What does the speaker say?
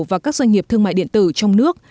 và các doanh nghiệp thương mại điện tử trong nước